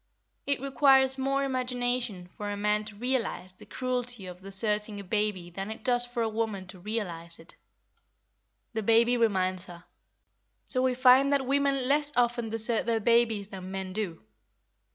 It requires more imagination for a man to realise the cruelty of deserting a baby than it does for a woman to realise it. The baby reminds her. So we find that women less often desert their babies than men do.